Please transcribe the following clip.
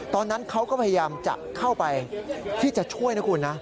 ตอนนั้นเขาก็พยายามจะเข้าไปที่จะช่วยนะคุณนะ